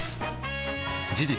事実